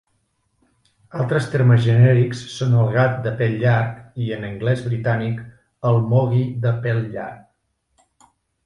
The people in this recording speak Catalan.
Altres termes genèrics són el gat de pèl llarg i, en anglès britànic, el moggie de pèl llarg.